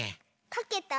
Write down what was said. かけた？